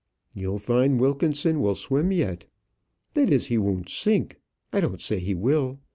"You'll find Wilkinson will swim yet." "That is, he won't sink. I don't say he will.